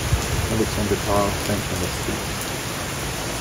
Avec son départ, French et la St.